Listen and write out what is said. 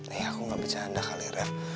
eh aku nggak bercanda kali rev